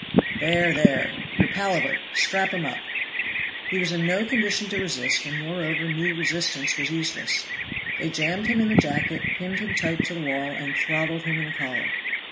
"There! there! your palaver! Strap him up." He was in no condition to resist, and moreover knew resistance was useless. They jammed him in the jacket, pinned him tight to the wall, and throttled him in the collar.